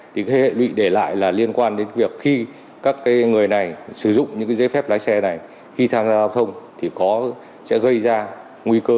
thì cái hệ lụy để lại là liên quan đến việc khi các người này sử dụng những cái giấy phép lái xe này khi tham gia giao thông thì sẽ gây ra nguy cơ